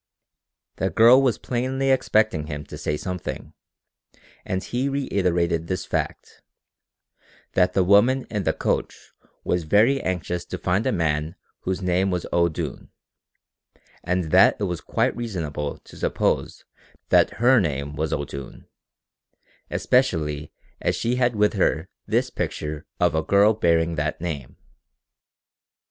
The girl was plainly expecting him to say something, and he reiterated this fact that the woman in the coach was very anxious to find a man whose name was O'Doone, and that it was quite reasonable to suppose that her name was O'Doone, especially as she had with her this picture of a girl bearing that name.